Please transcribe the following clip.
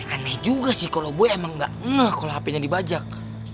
aneh juga sih kalau gue emang gak ngeh kalau hp nya dibajak